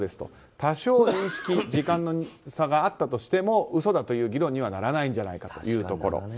多少、認識、時間の差があったとしても嘘だという議論にはならないんじゃないかというところ。